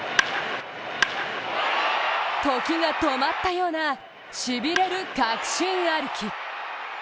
時が止まったかのような、しびれる確信歩き。